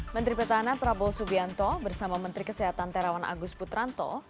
menteri pertahanan prabowo subianto bersama menteri kesehatan terawan agus putranto